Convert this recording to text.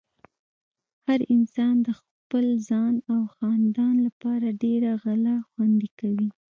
هر انسان د خپل ځان او خاندان لپاره ډېره غله خوندې کوي۔